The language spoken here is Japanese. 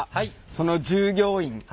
その従業員！